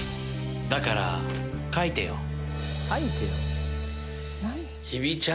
だから書いてよ。